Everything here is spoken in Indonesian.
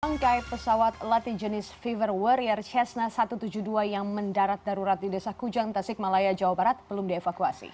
bangkai pesawat latih jenis fiver warrior cessna satu ratus tujuh puluh dua yang mendarat darurat di desa kujang tasik malaya jawa barat belum dievakuasi